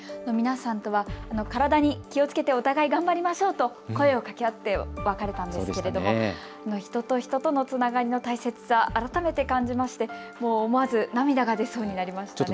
皆さんとは体に気をつけてお互いに頑張りましょうと声をかけ合って別れたんですが人と人とのつながりの大切さ、改めて感じますし思わず涙が出そうになりました。